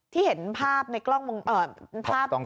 ที่เห็นภาพในกล้องมอง